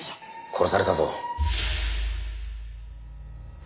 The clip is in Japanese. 殺された？